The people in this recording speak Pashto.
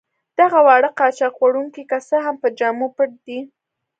دغه واړه قاچاق وړونکي که څه هم په جامو پټ دي.